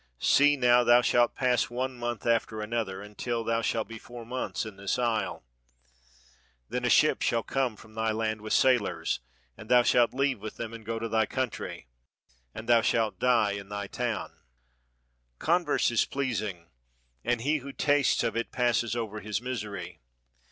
See now, thou shalt pass one month after another, until thou shalt be four months in this isle. Then a ship shall come from thy land with sailors, and thou shalt leave with them and go to thy coimtry, and thou shalt die in thy town. 43 EGYPT "' Converse is pleasing, and he who tastes of it passes over his misery.